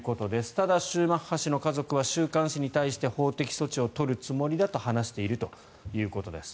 ただ、シューマッハ氏の家族は週刊誌に対して法的措置を取るつもりだと話しているということです。